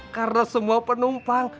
karena semua penumpang